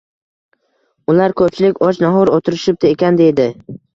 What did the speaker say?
Ular koʻpchilik, och-nahor oʻtirishibdi ekan, deydi